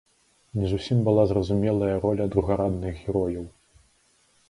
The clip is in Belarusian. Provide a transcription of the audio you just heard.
Не зусім была зразумелая роля другарадных герояў.